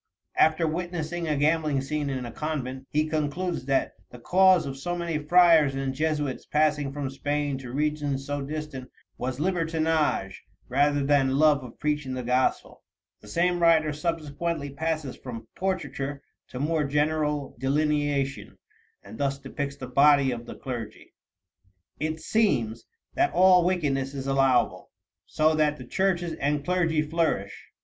After witnessing a gambling scene in a convent, he concludes that "the cause of so many Friars and Jesuits passing from Spain to regions so distant was libertinage rather than love of preaching the Gospel." The same writer subsequently passes from portraiture to more general delineation, and thus depicts the body of the clergy: "It seems that all wickedness is allowable, so that the churches and clergy flourish.